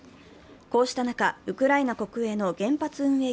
こうした中、ウクライナ国営の原発運営